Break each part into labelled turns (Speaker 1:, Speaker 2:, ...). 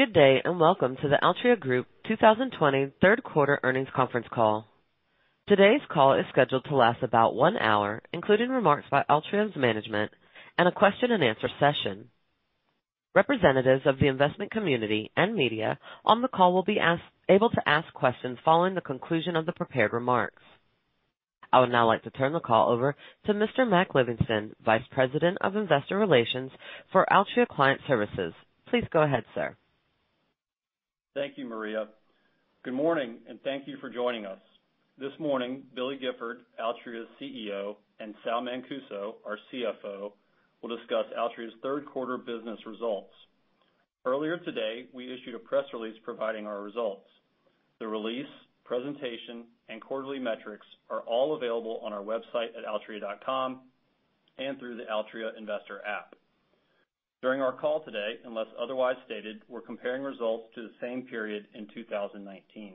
Speaker 1: Good day, welcome to the Altria Group 2020 third quarter earnings conference call. Today's call is scheduled to last about one hour, including remarks by Altria's management and a question and answer session. Representatives of the investment community and media on the call will be able to ask questions following the conclusion of the prepared remarks. I would now like to turn the call over to Mr. Mac Livingston, Vice President of Investor Relations for Altria Client Services. Please go ahead, sir.
Speaker 2: Thank you, Maria. Good morning, and thank you for joining us. This morning, Billy Gifford, Altria's CEO, and Sal Mancuso, our CFO, will discuss Altria's third quarter business results. Earlier today, we issued a press release providing our results. The release, presentation, and quarterly metrics are all available on our website at altria.com and through the Altria investor app. During our call today, unless otherwise stated, we're comparing results to the same period in 2019.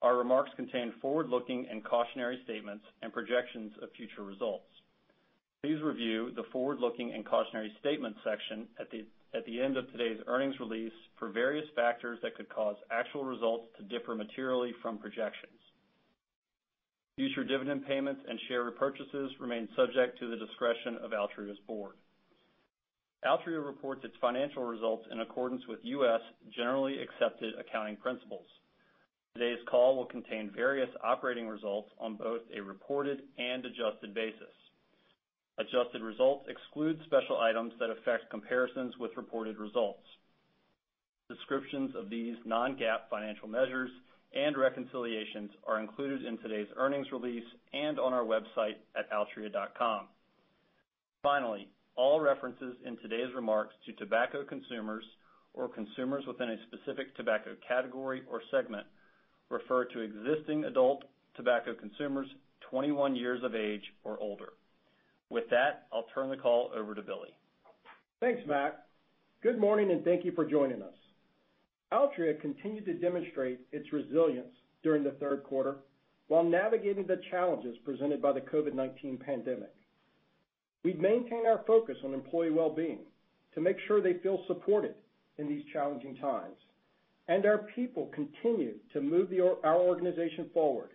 Speaker 2: Our remarks contain forward-looking and cautionary statements and projections of future results. Please review the forward-looking and cautionary statements section at the end of today's earnings release for various factors that could cause actual results to differ materially from projections. Future dividend payments and share repurchases remain subject to the discretion of Altria's board. Altria reports its financial results in accordance with U.S. generally accepted accounting principles. Today's call will contain various operating results on both a reported and adjusted basis. Adjusted results exclude special items that affect comparisons with reported results. Descriptions of these non-GAAP financial measures and reconciliations are included in today's earnings release and on our website at altria.com. All references in today's remarks to tobacco consumers or consumers within a specific tobacco category or segment refer to existing adult tobacco consumers 21 years of age or older. With that, I'll turn the call over to Billy.
Speaker 3: Thanks, Mac. Good morning, and thank you for joining us. Altria continued to demonstrate its resilience during the third quarter while navigating the challenges presented by the COVID-19 pandemic. We've maintained our focus on employee wellbeing to make sure they feel supported in these challenging times, and our people continue to move our organization forward.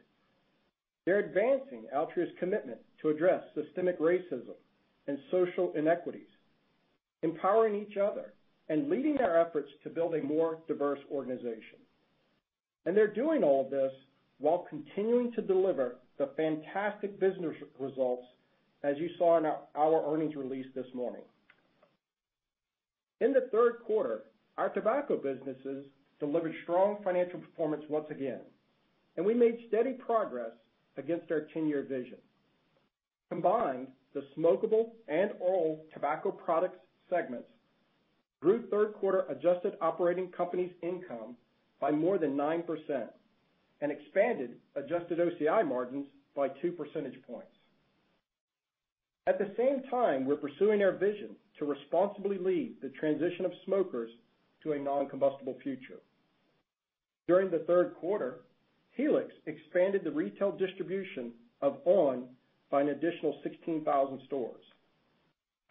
Speaker 3: They're advancing Altria's commitment to address systemic racism and social inequities, empowering each other and leading our efforts to build a more diverse organization. They're doing all of this while continuing to deliver the fantastic business results, as you saw in our earnings release this morning. In the third quarter, our tobacco businesses delivered strong financial performance once again, and we made steady progress against our 10-year vision. Combined, the smokable and oral tobacco products segments grew third quarter adjusted operating companies income by more than 9% and expanded adjusted OCI margins by 2 percentage points. At the same time, we're pursuing our vision to responsibly lead the transition of smokers to a non-combustible future. During the third quarter, Helix expanded the retail distribution of on! by an additional 16,000 stores.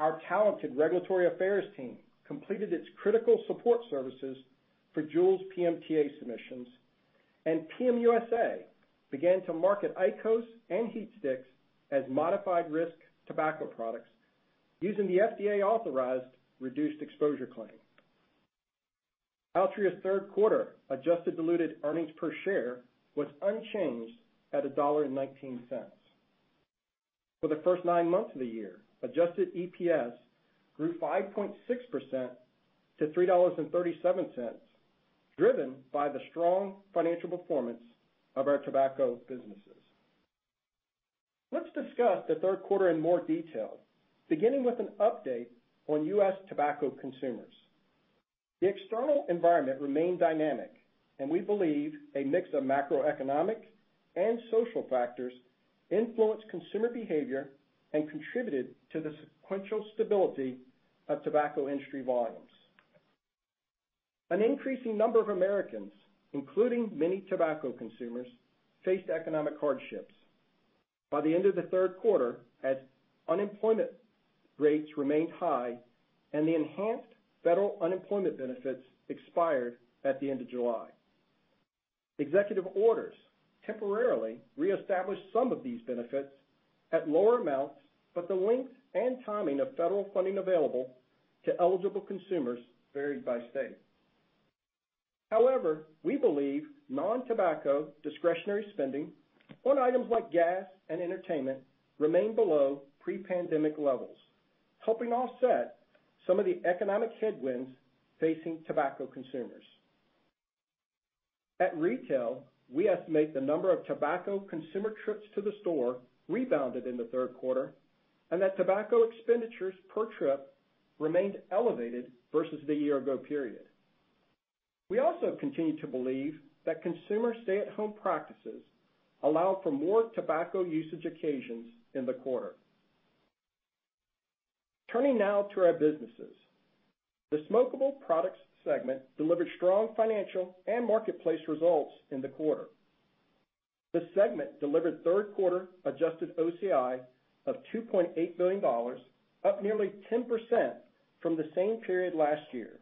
Speaker 3: Our talented regulatory affairs team completed its critical support services for JUUL's PMTA submissions. PM USA began to market IQOS and HeatSticks as modified risk tobacco products using the FDA authorized reduced exposure claim. Altria's third quarter adjusted diluted earnings per share was unchanged at $1.19. For the first nine months of the year, adjusted EPS grew 5.6% to $3.37, driven by the strong financial performance of our tobacco businesses. Let's discuss the third quarter in more detail, beginning with an update on U.S. tobacco consumers. The external environment remained dynamic, and we believe a mix of macroeconomic and social factors influenced consumer behavior and contributed to the sequential stability of tobacco industry volumes. An increasing number of Americans, including many tobacco consumers, faced economic hardships. By the end of the third quarter, as unemployment rates remained high and the enhanced federal unemployment benefits expired at the end of July. Executive orders temporarily reestablished some of these benefits at lower amounts, but the length and timing of federal funding available to eligible consumers varied by state. However, we believe non-tobacco discretionary spending on items like gas and entertainment remained below pre-pandemic levels, helping offset some of the economic headwinds facing tobacco consumers. At retail, we estimate the number of tobacco consumer trips to the store rebounded in the third quarter and that tobacco expenditures per trip remained elevated versus the year ago period. We also continue to believe that consumer stay-at-home practices allow for more tobacco usage occasions in the quarter. Turning now to our businesses. The Smokable Products segment delivered strong financial and marketplace results in the quarter. The Segment delivered third quarter adjusted OCI of $2.8 billion, up nearly 10% from the same period last year.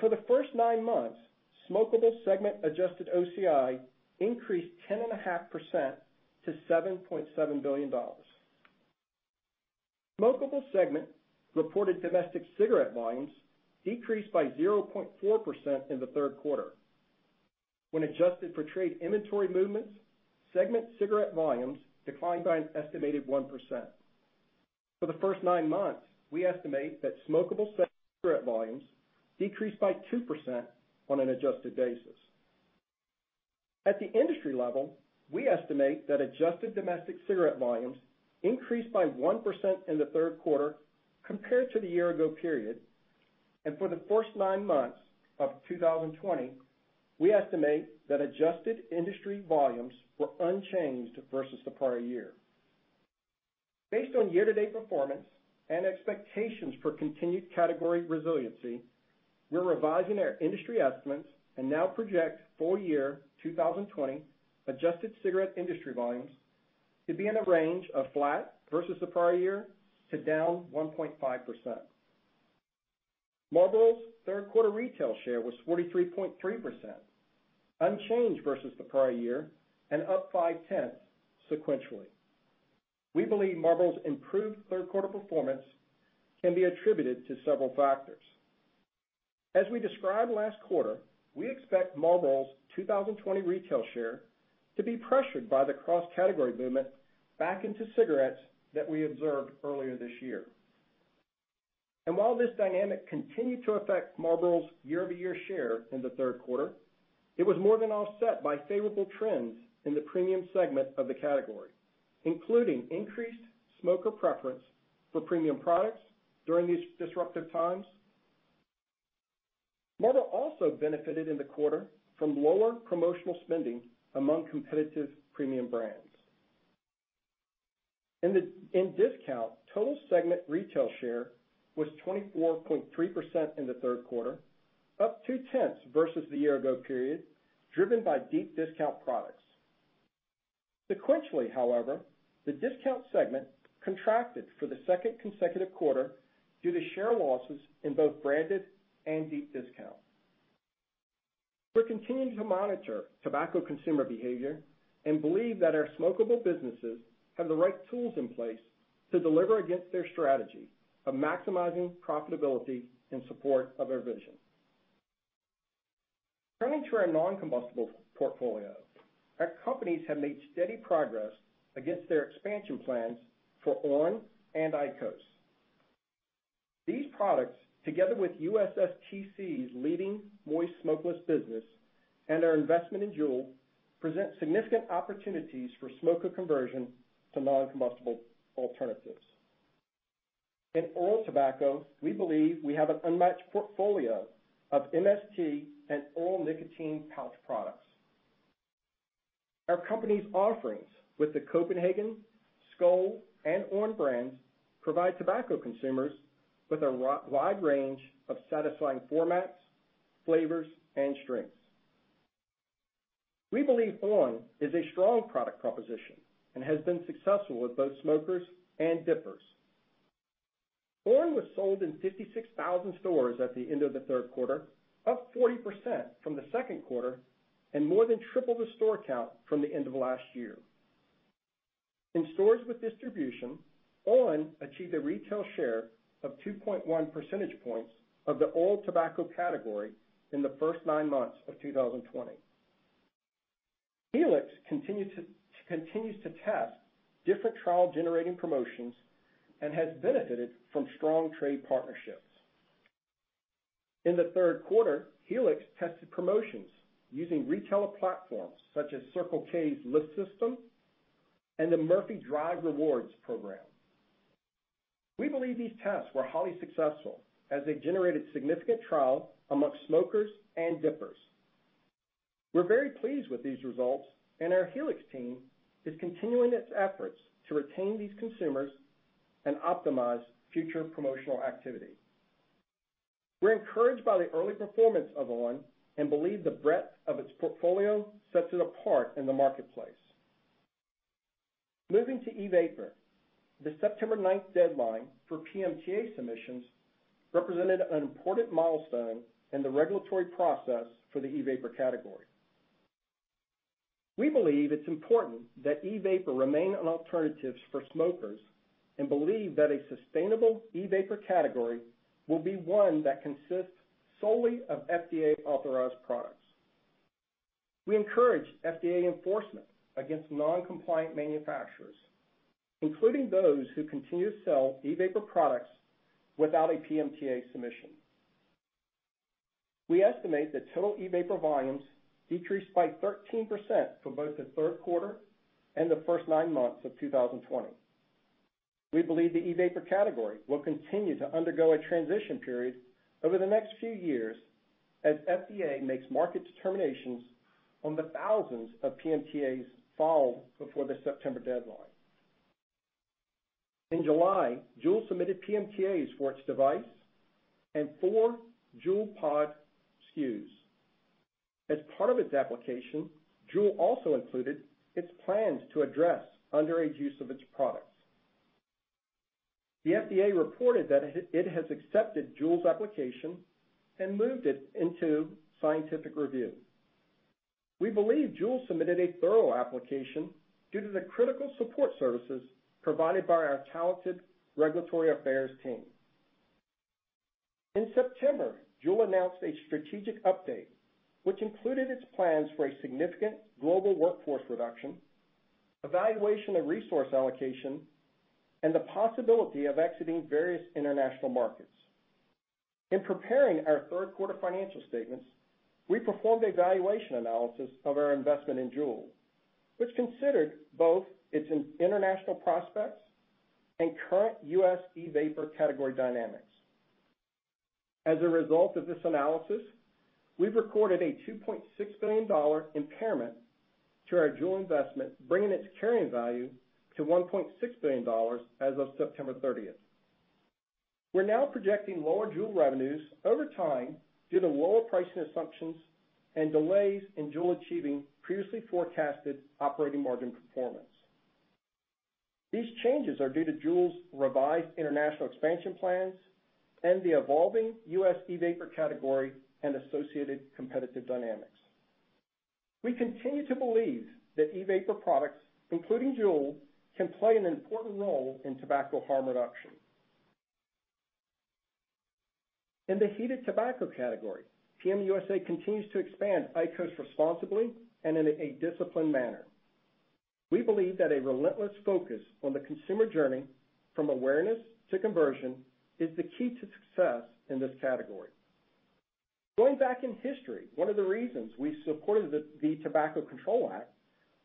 Speaker 3: For the first nine months, Smokable Segment adjusted OCI increased 10.5% to $7.7 billion. Smokable Segment reported domestic cigarette volumes decreased by 0.4% in the third quarter. When adjusted for trade inventory movements, Segment cigarette volumes declined by an estimated 1%. For the first nine months, we estimate that smokable cigarette volumes decreased by 2% on an adjusted basis. At the industry level, we estimate that adjusted domestic cigarette volumes increased by 1% in the third quarter compared to the year ago period. For the first nine months of 2020, we estimate that adjusted industry volumes were unchanged versus the prior year. Based on year-to-date performance and expectations for continued category resiliency, we're revising our industry estimates and now project full year 2020 adjusted cigarette industry volumes to be in a range of flat versus the prior year to down 1.5%. Marlboro's third quarter retail share was 43.3%, unchanged versus the prior year and up 5/10 sequentially. We believe Marlboro's improved third quarter performance can be attributed to several factors. As we described last quarter, we expect Marlboro's 2020 retail share to be pressured by the cross-category movement back into cigarettes that we observed earlier this year. While this dynamic continued to affect Marlboro's year-over-year share in the third quarter, it was more than offset by favorable trends in the premium segment of the category, including increased smoker preference for premium products during these disruptive times. Marlboro also benefited in the quarter from lower promotional spending among competitive premium brands. In discount, total segment retail share was 24.3% in the third quarter, up 2/10 versus the year ago period, driven by deep discount products. Sequentially, however, the discount segment contracted for the second consecutive quarter due to share losses in both branded and deep discount. We're continuing to monitor tobacco consumer behavior and believe that our smokable businesses have the right tools in place to deliver against their strategy of maximizing profitability in support of our vision. Turning to our non-combustible portfolio. Our companies have made steady progress against their expansion plans for on! and IQOS. These products, together with USSTC's leading moist smokeless business and our investment in JUUL, present significant opportunities for smoker conversion to non-combustible alternatives. In oral tobacco, we believe we have an unmatched portfolio of MST and oral nicotine pouch products. Our company's offerings with the Copenhagen, Skoal, and on! brands provide tobacco consumers with a wide range of satisfying formats, flavors, and strengths. We believe on! is a strong product proposition and has been successful with both smokers and dippers. On! was sold in 56,000 stores at the end of the third quarter, up 40% from the second quarter, and more than triple the store count from the end of last year. In stores with distribution, on! achieved a retail share of 2.1 percentage points of the oral tobacco category in the first nine months of 2020. Helix continues to test different trial-generating promotions and has benefited from strong trade partnerships. In the third quarter, Helix tested promotions using retailer platforms such as Circle K’s LIFT system and the Murphy Drive Rewards program. We believe these tests were highly successful as they generated significant trial amongst smokers and dippers. We're very pleased with these results, and our Helix team is continuing its efforts to retain these consumers and optimize future promotional activity. We're encouraged by the early performance of on! and believe the breadth of its portfolio sets it apart in the marketplace. Moving to e-vapor. The September 9th deadline for PMTA submissions represented an important milestone in the regulatory process for the e-vapor category. We believe it's important that e-vapor remain an alternative for smokers and believe that a sustainable e-vapor category will be one that consists solely of FDA-authorized products. We encourage FDA enforcement against non-compliant manufacturers, including those who continue to sell e-vapor products without a PMTA submission. We estimate that total e-vapor volumes decreased by 13% from both the third quarter and the first nine months of 2020. We believe the e-vapor category will continue to undergo a transition period over the next few years as FDA makes market determinations on the thousands of PMTAs filed before the September deadline. In July, JUUL submitted PMTAs for its device and four JUULpod SKUs. As part of its application, JUUL also included its plans to address underage use of its products. The FDA reported that it has accepted JUUL's application and moved it into scientific review. We believe JUUL submitted a thorough application due to the critical support services provided by our talented regulatory affairs team. In September, JUUL announced a strategic update, which included its plans for a significant global workforce reduction, evaluation of resource allocation, and the possibility of exiting various international markets. In preparing our third quarter financial statements, we performed a valuation analysis of our investment in JUUL, which considered both its international prospects and current U.S. e-vapor category dynamics. As a result of this analysis, we've recorded a $2.6 billion impairment to our JUUL investment, bringing its carrying value to $1.6 billion as of September 30th. We're now projecting lower JUUL revenues over time due to lower pricing assumptions and delays in JUUL achieving previously forecasted operating margin performance. These changes are due to JUUL's revised international expansion plans and the evolving U.S. e-vapor category and associated competitive dynamics. We continue to believe that e-vapor products, including JUUL, can play an important role in tobacco harm reduction. In the heated tobacco category, PM USA continues to expand IQOS responsibly and in a disciplined manner. We believe that a relentless focus on the consumer journey from awareness to conversion is the key to success in this category. Going back in history, one of the reasons we supported the Tobacco Control Act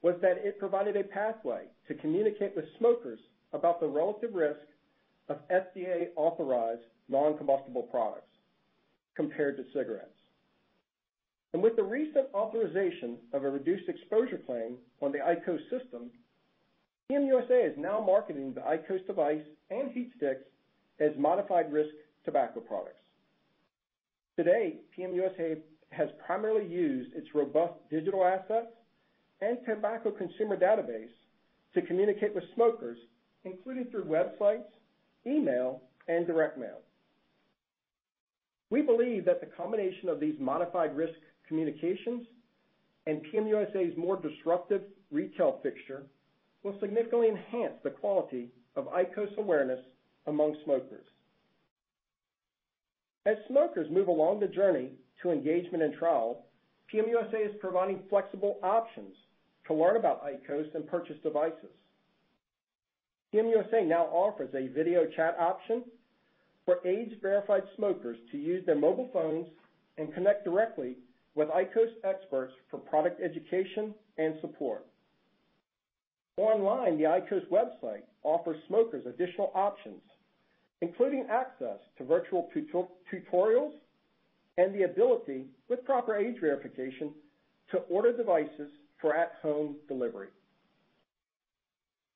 Speaker 3: was that it provided a pathway to communicate with smokers about the relative risk of FDA-authorized non-combustible products compared to cigarettes. With the recent authorization of a reduced exposure claim on the IQOS system, PM USA is now marketing the IQOS device and HeatSticks as modified risk tobacco products. Today, PM USA has primarily used its robust digital assets and tobacco consumer database to communicate with smokers, including through websites, email, and direct mail. We believe that the combination of these modified risk communications and PM USA's more disruptive retail fixture will significantly enhance the quality of IQOS awareness among smokers. As smokers move along the journey to engagement and trial, PM USA is providing flexible options to learn about IQOS and purchase devices. PM USA now offers a video chat option for age-verified smokers to use their mobile phones and connect directly with IQOS experts for product education and support. Online, the IQOS website offers smokers additional options, including access to virtual tutorials and the ability, with proper age verification, to order devices for at home delivery.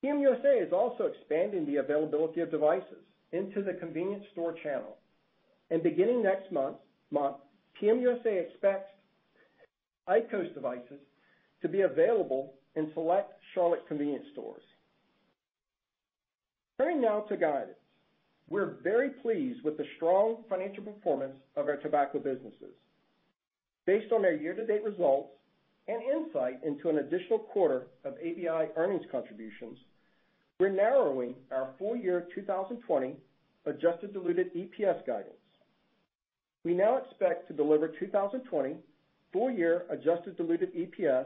Speaker 3: PM USA is also expanding the availability of devices into the convenience store channel. Beginning next month, PM USA expects IQOS devices to be available in select Charlotte convenience stores. Turning now to guidance. We're very pleased with the strong financial performance of our tobacco businesses. Based on our year-to-date results and insight into an additional quarter of ABI earnings contributions, we're narrowing our full year 2020 adjusted diluted EPS guidance. We now expect to deliver 2020 full year adjusted diluted EPS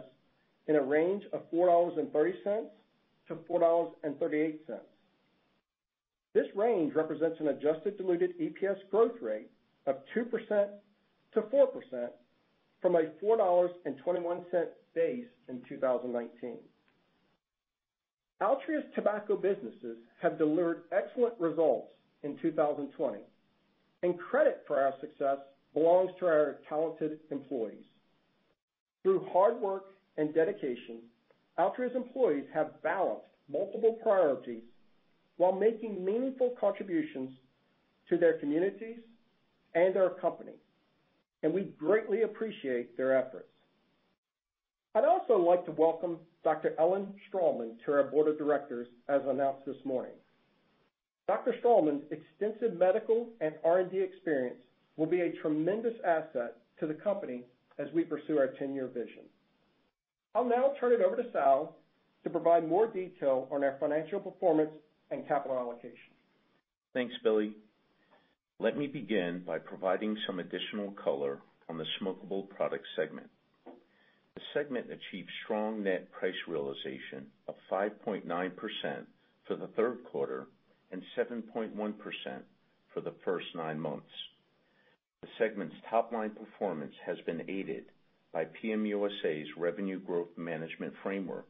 Speaker 3: in a range of $4.30-$4.38. This range represents an adjusted diluted EPS growth rate of 2%-4% from a $4.21 base in 2019. Altria's tobacco businesses have delivered excellent results in 2020. Credit for our success belongs to our talented employees. Through hard work and dedication, Altria's employees have balanced multiple priorities while making meaningful contributions to their communities and our company, and we greatly appreciate their efforts. I'd also like to welcome Dr. Ellen Strahlman to our board of directors as announced this morning. Dr. Strahlman's extensive medical and R&D experience will be a tremendous asset to the company as we pursue our ten-year vision. I'll now turn it over to Sal to provide more detail on our financial performance and capital allocation.
Speaker 4: Thanks, Billy. Let me begin by providing some additional color on the smokable product segment. The segment achieved strong net price realization of 5.9% for the third quarter and 7.1% for the first nine months. The segment's top-line performance has been aided by PM USA's revenue growth management framework,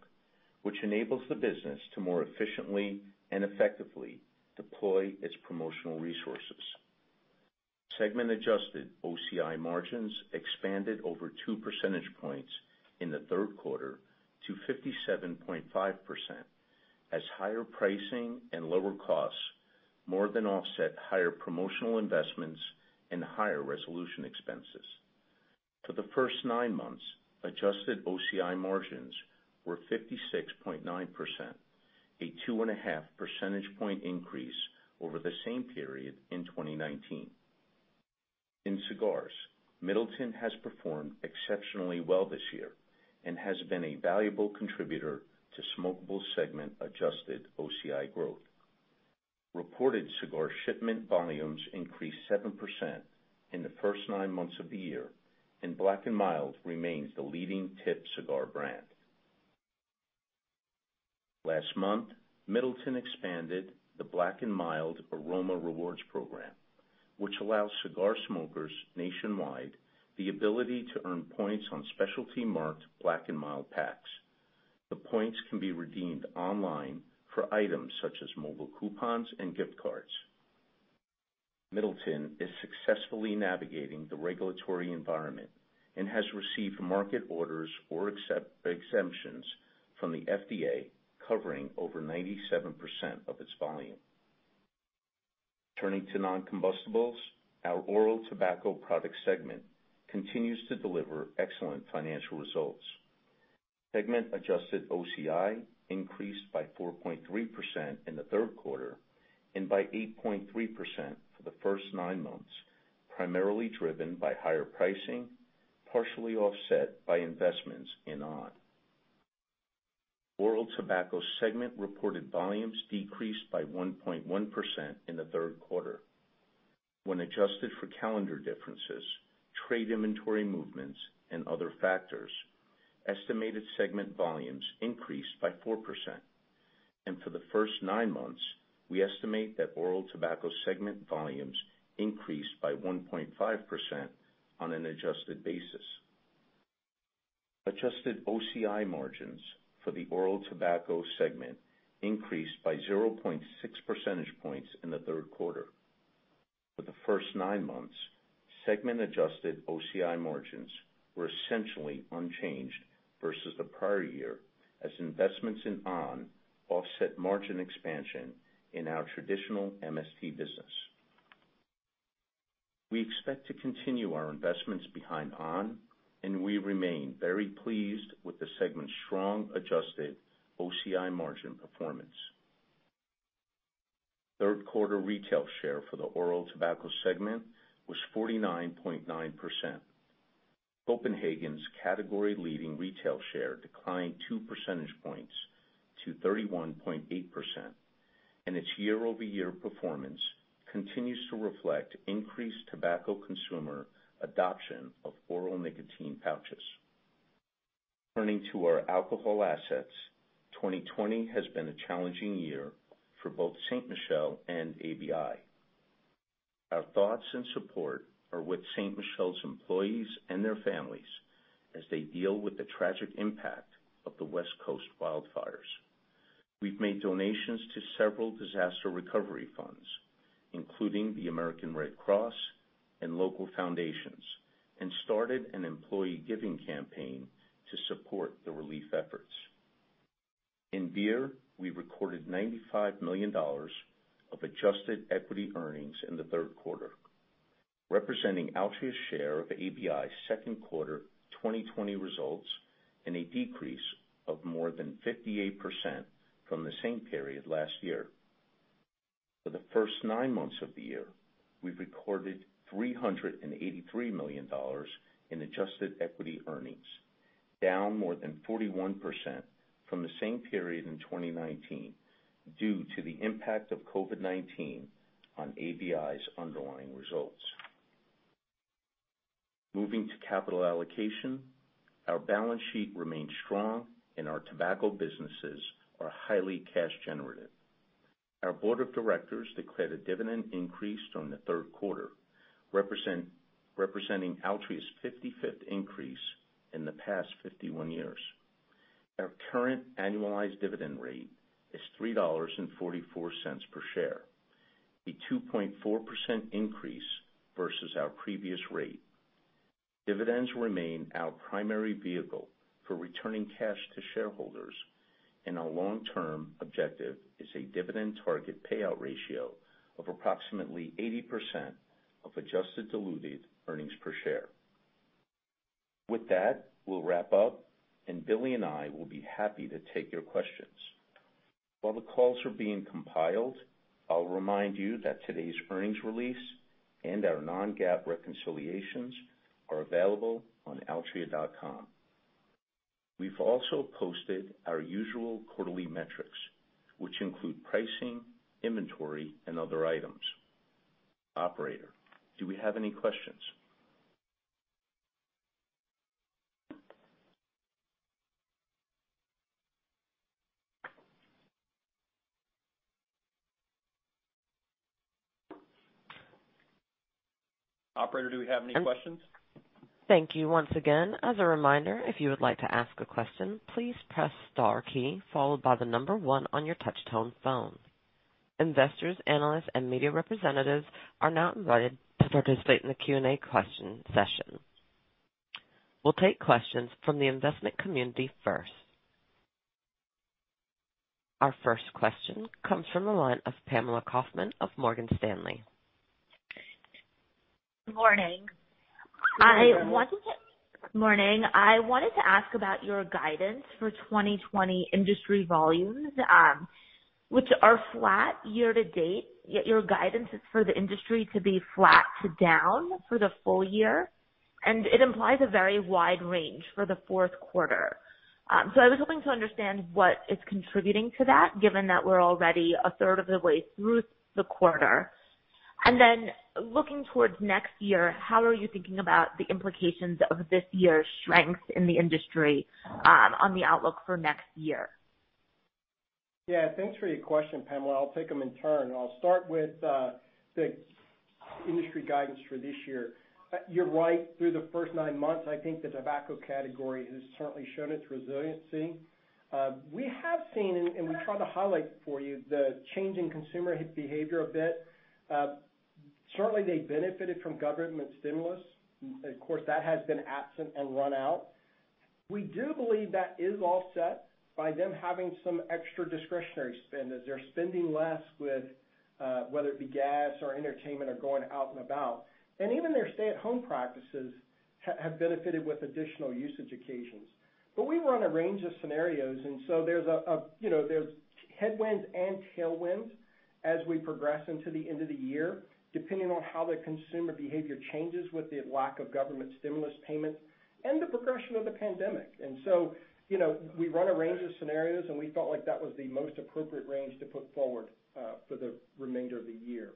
Speaker 4: which enables the business to more efficiently and effectively deploy its promotional resources. Segment adjusted OCI margins expanded over 2 percentage points in the third quarter to 57.5%, as higher pricing and lower costs more than offset higher promotional investments and higher resolution expenses. For the first nine months, adjusted OCI margins were 56.9%, a two and a half percentage point increase over the same period in 2019. In cigars, Middleton has performed exceptionally well this year and has been a valuable contributor to smokable segment adjusted OCI growth. Reported cigar shipment volumes increased 7% in the first nine months of the year, and Black & Mild remains the leading tipped cigar brand. Last month, Middleton expanded the Black & Mild Aroma Rewards program, which allows cigar smokers nationwide the ability to earn points on specialty marked Black & Mild packs. The points can be redeemed online for items such as mobile coupons and gift cards. Middleton is successfully navigating the regulatory environment and has received marketing orders or exemptions from the FDA covering over 97% of its volume. Turning to non-combustibles, our oral tobacco product segment continues to deliver excellent financial results. Segment adjusted OCI increased by 4.3% in the third quarter and by 8.3% for the first nine months, primarily driven by higher pricing, partially offset by investments in on!. Oral tobacco segment reported volumes decreased by 1.1% in the third quarter. When adjusted for calendar differences, trade inventory movements, and other factors, estimated segment volumes increased by 4%. For the first nine months, we estimate that oral tobacco segment volumes increased by 1.5% on an adjusted basis. Adjusted OCI margins for the oral tobacco segment increased by 0.6 percentage points in the third quarter. For the first nine months, segment-adjusted OCI margins were essentially unchanged versus the prior year, as investments in on! offset margin expansion in our traditional MST business. We expect to continue our investments behind on! and we remain very pleased with the segment's strong adjusted OCI margin performance. Third quarter retail share for the oral tobacco segment was 49.9%. Copenhagen's category leading retail share declined 2 percentage points to 31.8%, and its year-over-year performance continues to reflect increased tobacco consumer adoption of oral nicotine pouches. Turning to our alcohol assets, 2020 has been a challenging year for both Ste. Michelle and ABI. Our thoughts and support are with Ste. Michelle's employees and their families as they deal with the tragic impact of the West Coast wildfires. We've made donations to several disaster recovery funds, including the American Red Cross and local foundations, and started an employee giving campaign to support the relief efforts. In beer, we recorded $95 million of adjusted equity earnings in the third quarter, representing Altria's share of ABI's second quarter 2020 results, and a decrease of more than 58% from the same period last year. For the first nine months of the year, we've recorded $383 million in adjusted equity earnings, down more than 41% from the same period in 2019 due to the impact of COVID-19 on ABI's underlying results. Moving to capital allocation, our balance sheet remains strong and our tobacco businesses are highly cash generative. Our board of directors declared a dividend increase on the third quarter, representing Altria's 55th increase in the past 51 years. Our current annualized dividend rate is $3.44 per share, a 2.4% increase versus our previous rate. Dividends remain our primary vehicle for returning cash to shareholders and our long-term objective is a dividend target payout ratio of approximately 80% of adjusted diluted earnings per share. With that, we'll wrap up and Billy and I will be happy to take your questions. While the calls are being compiled, I'll remind you that today's earnings release and our non-GAAP reconciliations are available on altria.com. We've also posted our usual quarterly metrics, which include pricing, inventory, and other items. Operator, do we have any questions?
Speaker 2: Operator, do we have any questions?
Speaker 1: Thank you once again. As a reminder, if you would like to ask a question, please press star key followed by the number one on your touch-tone phone. Investors, analysts, and media representatives are now invited to participate in the Q&A question session. We'll take questions from the investment community first. Our first question comes from the line of Pamela Kaufman of Morgan Stanley.
Speaker 5: Morning.
Speaker 3: Good morning.
Speaker 5: Morning. I wanted to ask about your guidance for 2020 industry volumes, which are flat year to date, yet your guidance is for the industry to be flat to down for the full year, and it implies a very wide range for the fourth quarter. I was hoping to understand what is contributing to that, given that we're already a third of the way through the quarter. Looking towards next year, how are you thinking about the implications of this year's strength in the industry on the outlook for next year?
Speaker 3: Yeah, thanks for your question, Pamela. I'll take them in turn. I'll start with the industry guidance for this year. You're right. Through the first nine months, I think the tobacco category has certainly shown its resiliency. We have seen, we tried to highlight for you, the change in consumer behavior a bit. Certainly, they benefited from government stimulus. Of course, that has been absent and run out. We do believe that is offset by them having some extra discretionary spend, as they're spending less with, whether it be gas or entertainment or going out and about. Even their stay-at-home practices have benefited with additional usage occasions. We run a range of scenarios, and so there's headwinds and tailwinds as we progress into the end of the year, depending on how the consumer behavior changes with the lack of government stimulus payments and the progression of the pandemic. We run a range of scenarios, and we felt like that was the most appropriate range to put forward for the remainder of the year.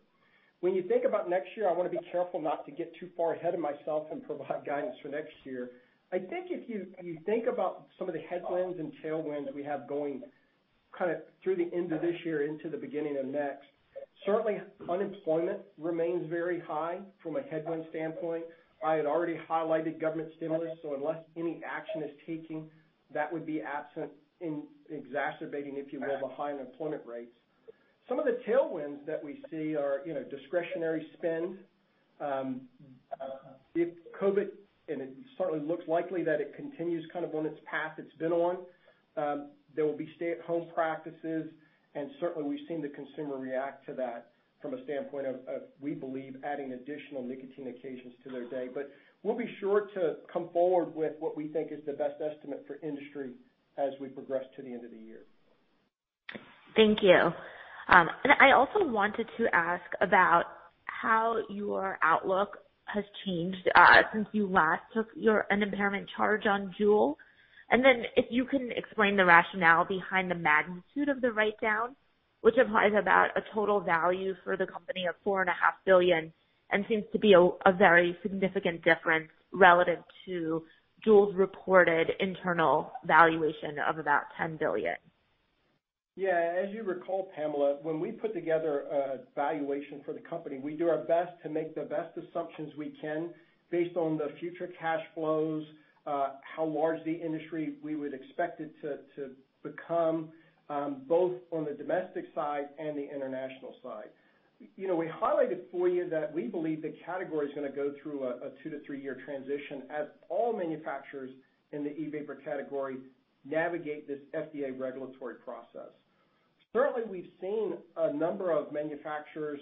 Speaker 3: When you think about next year, I want to be careful not to get too far ahead of myself and provide guidance for next year. I think if you think about some of the headwinds and tailwinds we have going through the end of this year into the beginning of next. Certainly, unemployment remains very high from a headwind standpoint. I had already highlighted government stimulus, unless any action is taken, that would be absent in exacerbating, if you will, the high unemployment rates. Some of the tailwinds that we see are discretionary spend. If COVID, and it certainly looks likely that it continues on its path it's been on, there will be stay-at-home practices, and certainly, we've seen the consumer react to that from a standpoint of, we believe, adding additional nicotine occasions to their day. We'll be sure to come forward with what we think is the best estimate for industry as we progress to the end of the year.
Speaker 5: Thank you. I also wanted to ask about how your outlook has changed since you last took your impairment charge on JUUL. If you can explain the rationale behind the magnitude of the write-down, which implies about a total value for the company of $4.5 billion and seems to be a very significant difference relative to JUUL's reported internal valuation of about $10 billion.
Speaker 3: Yeah. As you recall, Pamela, when we put together a valuation for the company, we do our best to make the best assumptions we can based on the future cash flows, how large the industry we would expect it to become, both on the domestic side and the international side. We highlighted for you that we believe the category is going to go through a two to three-year transition as all manufacturers in the e-vapor category navigate this FDA regulatory process. Certainly, we've seen a number of manufacturers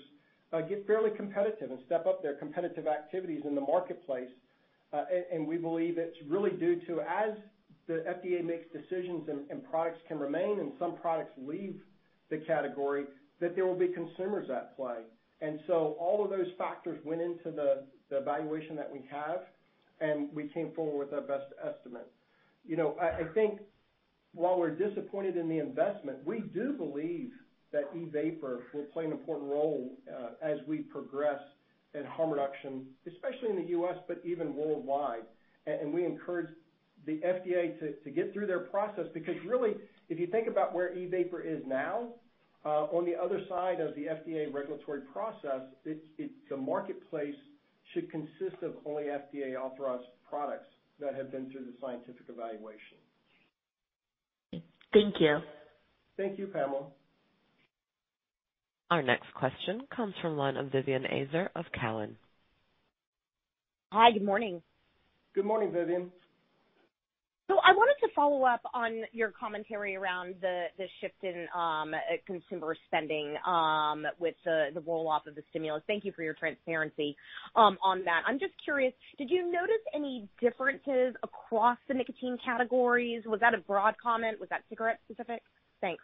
Speaker 3: get fairly competitive and step up their competitive activities in the marketplace. We believe it's really due to as the FDA makes decisions and products can remain and some products leave the category, that there will be consumers at play. All of those factors went into the valuation that we have, and we came forward with our best estimate. I think while we're disappointed in the investment, we do believe that e-vapor will play an important role as we progress in harm reduction, especially in the U.S., but even worldwide. We encourage the FDA to get through their process, because really, if you think about where e-vapor is now, on the other side of the FDA regulatory process, the marketplace should consist of only FDA-authorized products that have been through the scientific evaluation.
Speaker 5: Thank you.
Speaker 3: Thank you, Pamela.
Speaker 1: Our next question comes from the line of Vivien Azer of Cowen.
Speaker 6: Hi, good morning.
Speaker 3: Good morning, Vivien.
Speaker 6: I wanted to follow up on your commentary around the shift in consumer spending with the roll-off of the stimulus. Thank you for your transparency on that. I'm just curious, did you notice any differences across the nicotine categories? Was that a broad comment, was that cigarette specific? Thanks.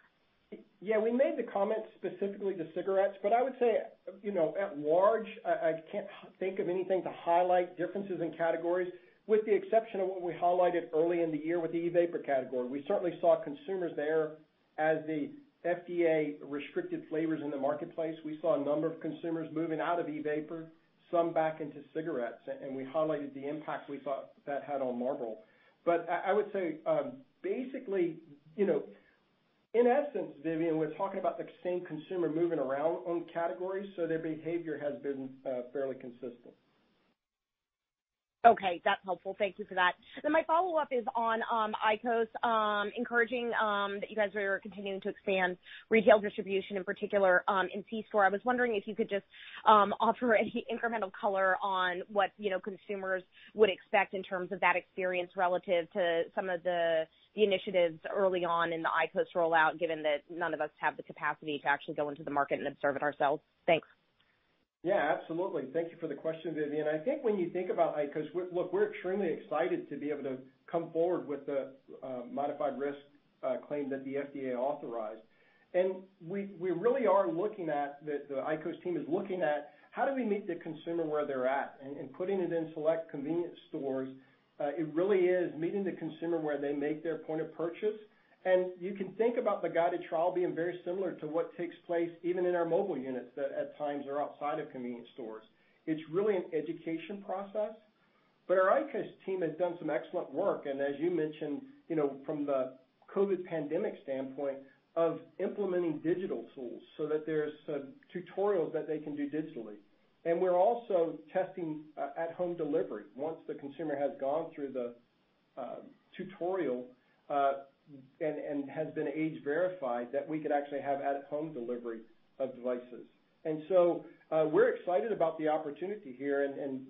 Speaker 3: Yeah, we made the comment specifically to cigarettes. I would say, at large, I can't think of anything to highlight differences in categories, with the exception of what we highlighted early in the year with the e-vapor category. We certainly saw consumers there as the FDA restricted flavors in the marketplace. We saw a number of consumers moving out of e-vapor, some back into cigarettes. We highlighted the impacts we thought that had on Marlboro. I would say, in essence, Vivien, we're talking about the same consumer moving around on categories. Their behavior has been fairly consistent.
Speaker 6: Okay, that's helpful. Thank you for that. My follow-up is on IQOS, encouraging that you guys are continuing to expand retail distribution, in particular, in c-store. I was wondering if you could just offer any incremental color on what consumers would expect in terms of that experience relative to some of the initiatives early on in the IQOS rollout, given that none of us have the capacity to actually go into the market and observe it ourselves. Thanks.
Speaker 3: Absolutely, thank you for the question, Vivien. I think when you think about IQOS, look, we're extremely excited to be able to come forward with the modified risk claim that the FDA authorized. The IQOS team is looking at how do we meet the consumer where they're at and putting it in select convenience stores, it really is meeting the consumer where they make their point of purchase. You can think about the guided trial being very similar to what takes place even in our mobile units that at times are outside of convenience stores. It's really an education process. Our IQOS team has done some excellent work, and as you mentioned, from the COVID pandemic standpoint of implementing digital tools so that there's tutorials that they can do digitally. We're also testing at home delivery once the consumer has gone through the tutorial, and has been age verified, that we could actually have at home delivery of devices. We're excited about the opportunity here and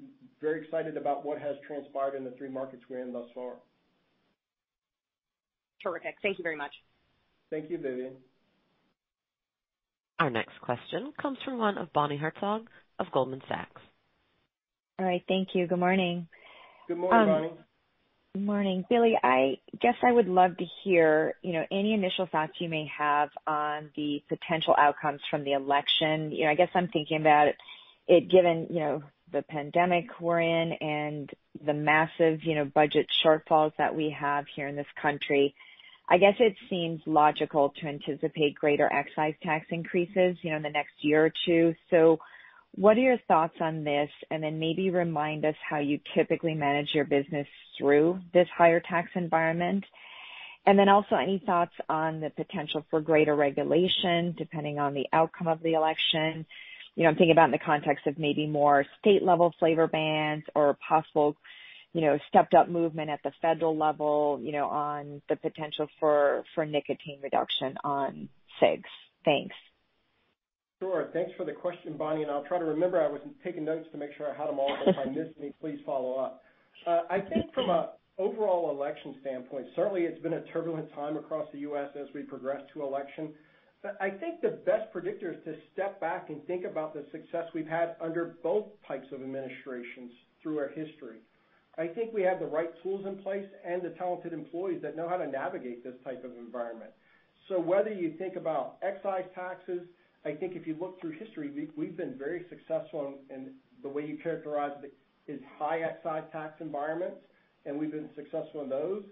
Speaker 3: very excited about what has transpired in the three markets we're in thus far.
Speaker 6: Terrific, thank you very much.
Speaker 3: Thank you, Vivien.
Speaker 1: Our next question comes from Bonnie Herzog of Goldman Sachs.
Speaker 7: All right, thank you. Good morning.
Speaker 3: Good morning, Bonnie.
Speaker 7: Good morning. Billy, I guess I would love to hear any initial thoughts you may have on the potential outcomes from the election. I guess I'm thinking about it given the pandemic we're in and the massive budget shortfalls that we have here in this country. I guess it seems logical to anticipate greater excise tax increases in the next year or two. What are your thoughts on this? Maybe remind us how you typically manage your business through this higher tax environment. Also any thoughts on the potential for greater regulation depending on the outcome of the election? I'm thinking about in the context of maybe more state level flavor bans or possible stepped up movement at the federal level on the potential for nicotine reduction on cigs. Thanks.
Speaker 3: Sure, thanks for the question, Bonnie. I'll try to remember, I was taking notes to make sure I had them all, if I miss any, please follow up. I think from an overall election standpoint, certainly it's been a turbulent time across the U.S. as we progress to election. I think the best predictor is to step back and think about the success we've had under both types of administrations through our history. I think we have the right tools in place and the talented employees that know how to navigate this type of environment. Whether you think about excise taxes, I think if you look through history, we've been very successful in the way you characterize it as high excise tax environments, and we've been successful in those.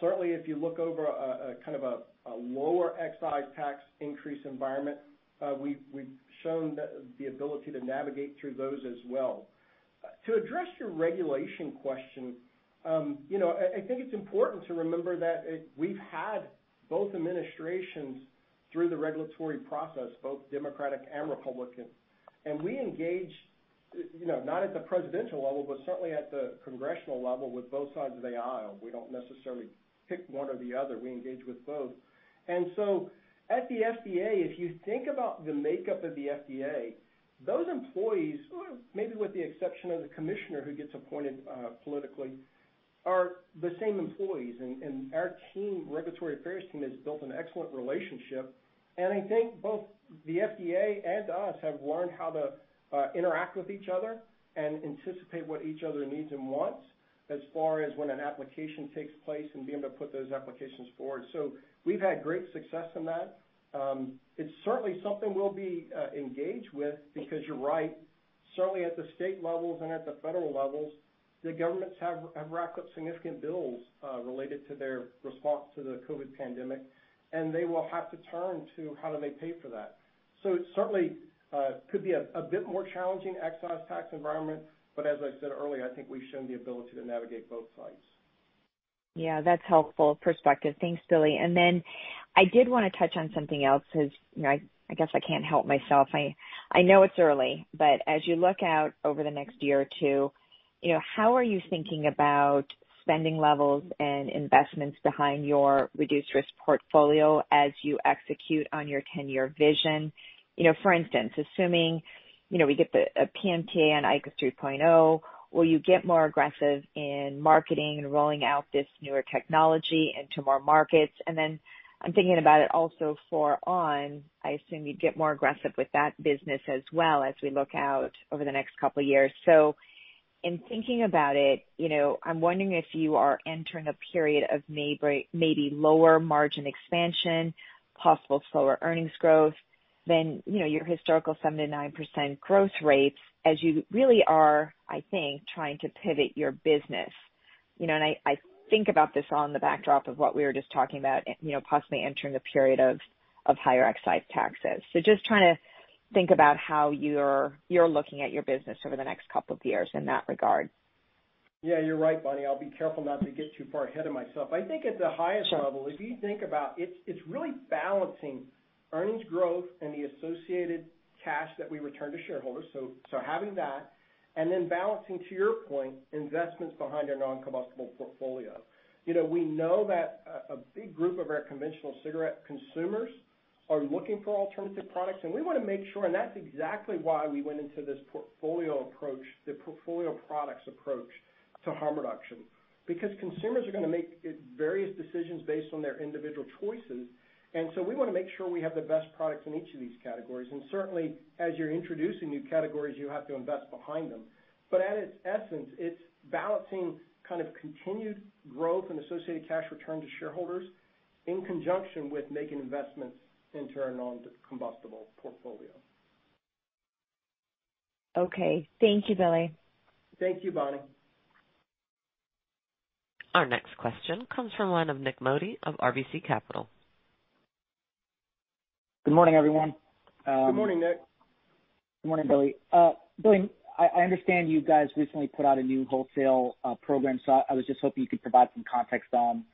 Speaker 3: Certainly, if you look over a lower excise tax increase environment, we've shown the ability to navigate through those as well. To address your regulation question, I think it's important to remember that we've had both administrations through the regulatory process, both Democratic and Republican, and we engage, not at the presidential level, but certainly at the congressional level with both sides of the aisle. We don't necessarily pick one or the other. We engage with both. At the FDA, if you think about the makeup of the FDA, those employees, maybe with the exception of the commissioner who gets appointed politically, are the same employees. Our regulatory affairs team has built an excellent relationship, and I think both the FDA and us have learned how to interact with each other and anticipate what each other needs and wants as far as when an application takes place and being able to put those applications forward. We've had great success in that. It's certainly something we'll be engaged with because you're right. Certainly at the state levels and at the federal levels, the governments have racked up significant bills related to their response to the COVID pandemic, and they will have to turn to how do they pay for that. It certainly could be a bit more challenging excise tax environment, but as I said earlier, I think we've shown the ability to navigate both sides.
Speaker 7: Yeah, that's helpful perspective. Thanks, Billy. I did want to touch on something else because I guess I can't help myself. I know it's early, but as you look out over the next year or two, how are you thinking about spending levels and investments behind your reduced risk portfolio as you execute on your 10-year vision? For instance, assuming we get the PMTA on IQOS 2.0, will you get more aggressive in marketing and rolling out this newer technology into more markets? I'm thinking about it also for on!, I assume you'd get more aggressive with that business as well as we look out over the next couple of years. In thinking about it, I'm wondering if you are entering a period of maybe lower margin expansion, possible slower earnings growth than your historical 7%-9% growth rates as you really are, I think, trying to pivot your business. I think about this on the backdrop of what we were just talking about, possibly entering a period of higher excise taxes. Just trying to think about how you're looking at your business over the next couple of years in that regard.
Speaker 3: Yeah, you're right, Bonnie. I'll be careful not to get too far ahead of myself. I think at the highest level, if you think about it's really balancing earnings growth and the associated cash that we return to shareholders, having that, balancing, to your point, investments behind our non-combustible portfolio. We know that a big group of our conventional cigarette consumers are looking for alternative products, and we want to make sure, and that's exactly why we went into this portfolio approach, the portfolio products approach to harm reduction. Consumers are going to make various decisions based on their individual choices. We want to make sure we have the best products in each of these categories. Certainly, as you're introducing new categories, you have to invest behind them. At its essence, it's balancing continued growth and associated cash return to shareholders in conjunction with making investments into our non-combustible portfolio.
Speaker 7: Okay. Thank you, Billy.
Speaker 3: Thank you, Bonnie.
Speaker 1: Our next question comes from the line of Nik Modi of RBC Capital.
Speaker 8: Good morning, everyone.
Speaker 3: Good morning, Nik.
Speaker 8: Good morning, Billy. Billy, I understand you guys recently put out a new wholesale program, so I was just hoping you could provide some context on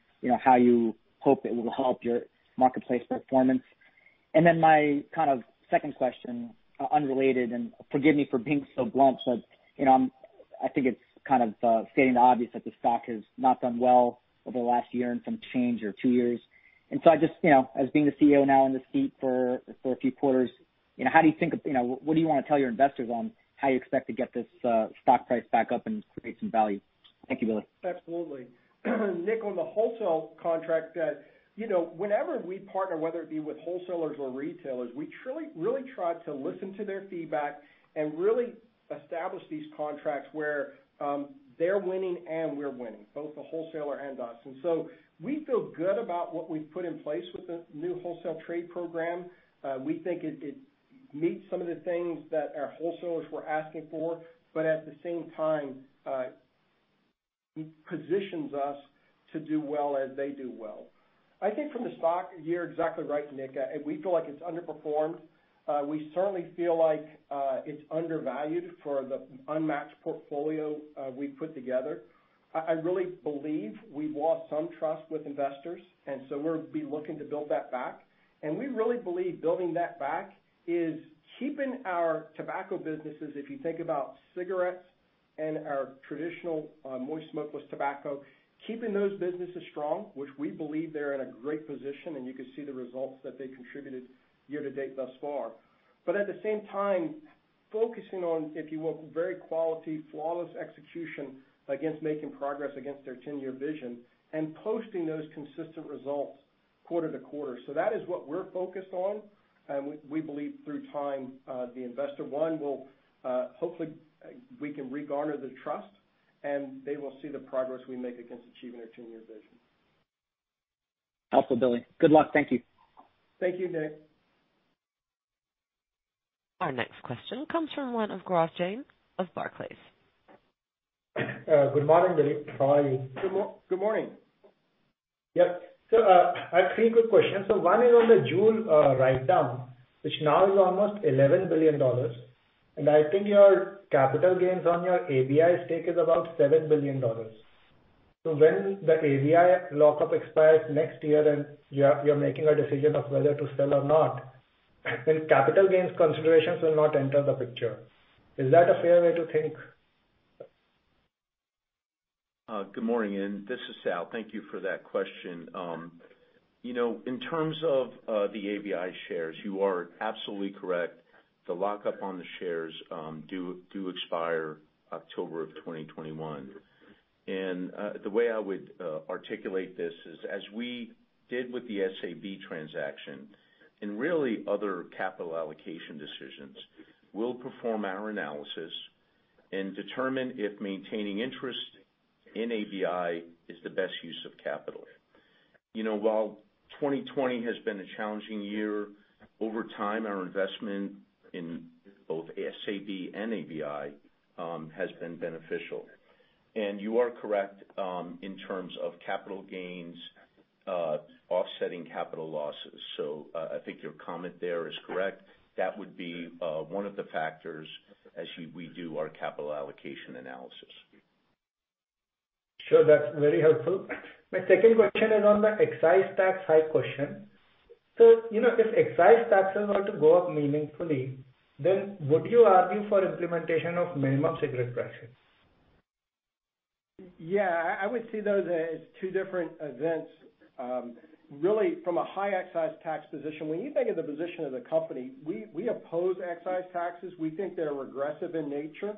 Speaker 8: how you hope it will help your marketplace performance. My second question, unrelated, and forgive me for being so blunt, but I think it's kind of stating the obvious that the stock has not done well over the last year and some change or two years. As being the CEO now in the seat for a few quarters, what do you want to tell your investors on how you expect to get this stock price back up and create some value? Thank you, Billy.
Speaker 3: Absolutely. Nik, on the wholesale contract, whenever we partner, whether it be with wholesalers or retailers, we truly try to listen to their feedback and really establish these contracts where they're winning and we're winning, both the wholesaler and us. We feel good about what we've put in place with the new wholesale trade program. We think it meets some of the things that our wholesalers were asking for, but at the same time, it positions us to do well as they do well. I think from the stock, you're exactly right, Nik. We feel like it's underperformed. We certainly feel like it's undervalued for the unmatched portfolio we've put together. I really believe we've lost some trust with investors, we'll be looking to build that back. We really believe building that back is keeping our tobacco businesses, if you think about cigarettes and our traditional moist smokeless tobacco, keeping those businesses strong, which we believe they're in a great position, and you can see the results that they contributed year to date thus far. At the same time, focusing on, if you will, very quality, flawless execution against making progress against our 10-year vision and posting those consistent results quarter to quarter. That is what we're focused on, and we believe through time, the investor, one, hopefully we can re-garner the trust, and they will see the progress we make against achieving our 10-year vision.
Speaker 8: Helpful, Billy. Good luck, thank you.
Speaker 3: Thank you, Nik.
Speaker 1: Our next question comes from the line of Gaurav Jain of Barclays.
Speaker 9: Good morning, Billy. How are you?
Speaker 3: Good morning.
Speaker 9: Yep, I have three quick questions. One is on the JUUL writedown, which now is almost $11 billion. I think your capital gains on your ABI stake is about $7 billion. When the ABI lock-up expires next year and you're making a decision of whether to sell or not, then capital gains considerations will not enter the picture. Is that a fair way to think?
Speaker 4: Good morning, and this is Sal. Thank you for that question. In terms of the ABI shares, you are absolutely correct. The lock-up on the shares do expire October of 2021. The way I would articulate this is, as we did with the SAB transaction, and really other capital allocation decisions, we'll perform our analysis and determine if maintaining interest in ABI is the best use of capital. While 2020 has been a challenging year, over time, our investment in both SAB and ABI has been beneficial. You are correct in terms of capital gains offsetting capital losses. I think your comment there is correct. That would be one of the factors as we do our capital allocation analysis.
Speaker 9: Sure, that's very helpful. My second question is on the excise tax high question. If excise taxes are to go up meaningfully, then would you argue for implementation of minimum cigarette prices?
Speaker 3: Yeah, I would see those as two different events. Really from a high excise tax position, when you think of the position of the company, we oppose excise taxes, we think they're regressive in nature.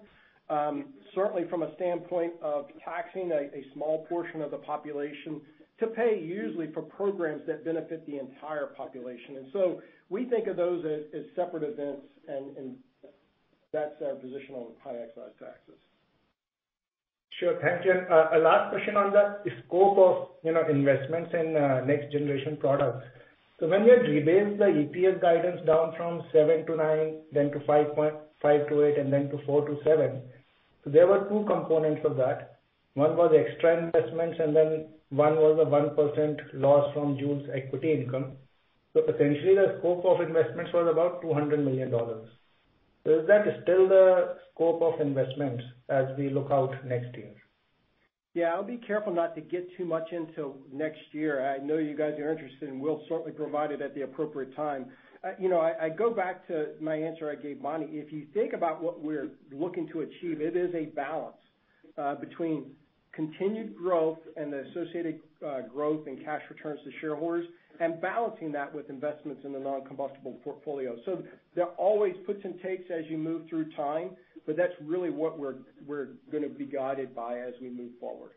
Speaker 3: Certainly from a standpoint of taxing a small portion of the population to pay usually for programs that benefit the entire population. We think of those as separate events, and that's our position on high excise taxes.
Speaker 9: Sure, thank you. A last question on the scope of investments in next generation products. When you had revised the EPS guidance down from 7%-9%, then to 5.5%-8%, and then to 4%-7%, there were two components of that. One was extra investments, one was a 1% loss from JUUL's equity income. Essentially, the scope of investments was about $200 million. Is that still the scope of investment as we look out next year?
Speaker 3: Yeah, I'll be careful not to get too much into next year. I know you guys are interested, we'll certainly provide it at the appropriate time. I go back to my answer I gave Bonnie. If you think about what we're looking to achieve, it is a balance between continued growth and the associated growth in cash returns to shareholders and balancing that with investments in the non-combustible portfolio. There are always puts and takes as you move through time, but that's really what we're going to be guided by as we move forward.